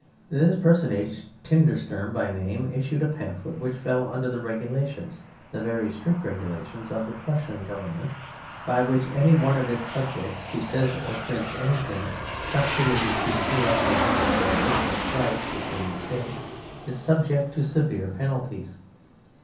This personage, Tindersturm by name, issued a pamphlet which fell under the regulations, the very strict regulations, of the Prussian Government, by which any one of its subjects who says or prints anything calculated to stir up religious or racial strife within the State is subject to severe penalties.